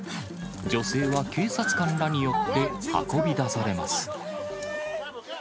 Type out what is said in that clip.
女性は警察官らによって運び出されます。